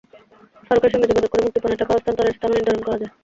ফারুকের সঙ্গে যোগাযোগ করে মুক্তিপণের টাকা হস্তান্তরের স্থানও নির্ধারণ করা হয়।